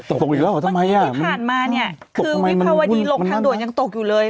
ตกตกอีกแล้วเหรอทำไมอ่ะผ่านมาเนี่ยคือวิภาวดีลงทางด่วนยังตกอยู่เลย